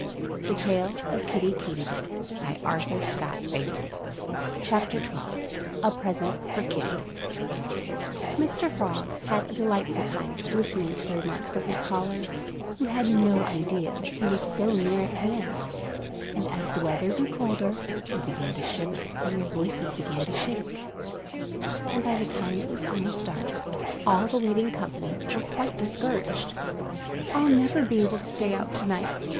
[Illustration: Kiddie Took His New Coat From the Twig (Page 59)] XII A PRESENT FOR KIDDIE Mr. Frog had a delightful time listening to the remarks of his callers, who had no idea that he was so near at hand. And as the weather grew colder, they began to shiver and their voices began to shake. And by the time it was almost dark all the waiting company were quite discouraged. "I'll never be able to stay out to night!"